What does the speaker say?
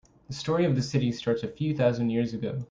The story of the city starts a few thousand years ago.